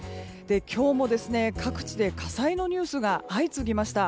今日も各地で火災のニュースが相次ぎました。